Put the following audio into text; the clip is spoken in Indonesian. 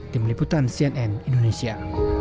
tim liputan cnn indonesia